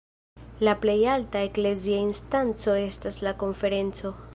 La plej alta eklezia instanco estas la Konferenco.